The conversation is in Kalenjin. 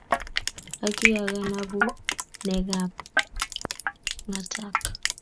Agi akanabunekab mg’atak